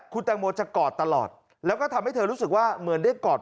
คุณแตงโมจะกอดตลอดแล้วก็ทำให้เธอรู้สึกว่าเหมือนได้กอด